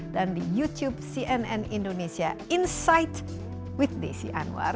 dan di youtube cnn indonesia insight with desy anwar